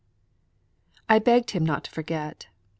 I begged him not to forget.